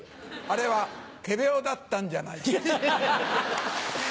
あれは仮病だったんじゃないか。